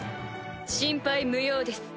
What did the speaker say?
心配無用です。